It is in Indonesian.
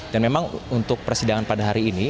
dan memang untuk persidangan pada hari ini